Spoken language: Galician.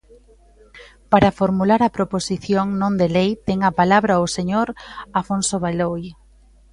Para formular a proposición non de lei ten a palabra o señor Afonso Beloi.